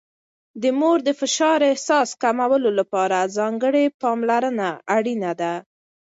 د مور د فشار احساس کمولو لپاره ځانګړې پاملرنه اړینه ده.